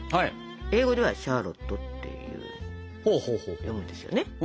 英語では「シャーロット」っていうんですよね。